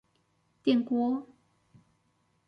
電鍋